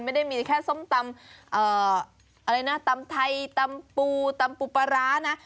ไม่ได้มีแค่ส้มตำอะไรนะตำไทยตำปูตำปูปลาร้านะ